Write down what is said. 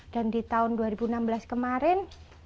dan di tahun dua ribu enam belas kemarin